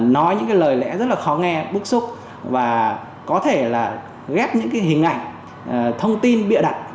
nói những lời lẽ rất khó nghe bức xúc và có thể ghép những hình ảnh thông tin bịa đặt